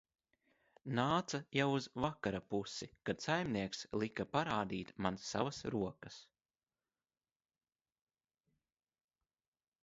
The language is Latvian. Nāca jau uz vakara pusi, kad saimnieks lika parādīt man savas rokas.